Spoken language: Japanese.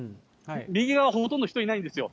右側、ほとんど人いないんですよ。